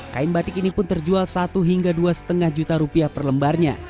kain batik ini pun terjual satu hingga dua lima juta rupiah per lembarnya